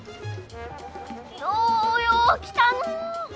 ようよう来たのう！